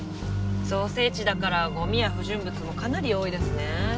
造成地だからゴミや不純物もかなり多いですね。